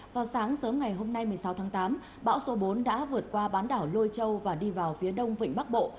vào sáng sớm ngày hôm nay một mươi sáu tháng tám bão số bốn đã vượt qua bán đảo lôi châu và đi vào phía đông vịnh bắc bộ